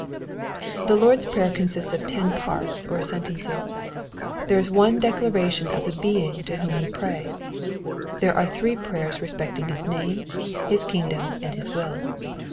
The Lord's prayer consists of ten parts or sentences. There is one declaration of the Being to whom we pray. — There are three prayers respecting His name, His kingdom, and His will.